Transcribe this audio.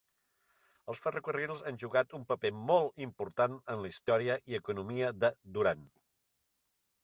Els ferrocarrils han jugat un paper molt important en la història i economia de Durand.